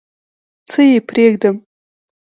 څه یې پرېږدم؟